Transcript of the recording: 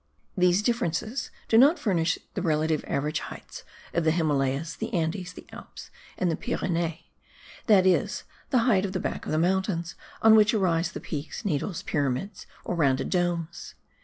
These differences do not furnish the relative average heights of the Himalayas, the Andes, the Alps and the Pyrenees, that is, the height of the back of the mountains, on which arise the peaks, needles, pyramids, or rounded domes.